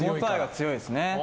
強いですね。